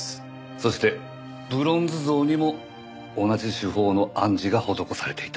そしてブロンズ像にも同じ手法の暗示が施されていた。